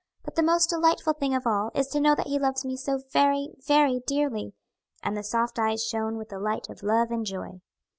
But the most delightful thing of all is to know that he loves me so very, very dearly;" and the soft eyes shone with the light of love and joy.